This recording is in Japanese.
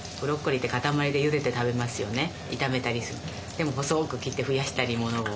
でも細く切って増やしたりものを。